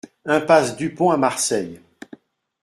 Impasse Dupont à Marseille